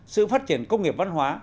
sự phát triển công nghiệp văn hóa